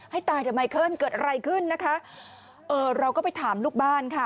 ให้ตายทำไมขึ้นเกิดอะไรขึ้นนะคะเอ่อเราก็ไปถามลูกบ้านค่ะ